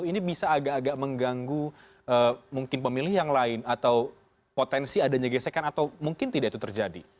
ini bisa agak agak mengganggu mungkin pemilih yang lain atau potensi adanya gesekan atau mungkin tidak itu terjadi